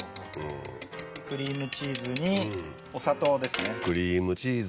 クリームチーズにお砂糖ですね。